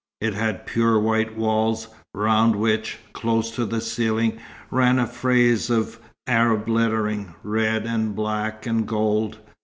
It had pure white walls, round which, close to the ceiling, ran a frieze of Arab lettering, red, and black, and gold.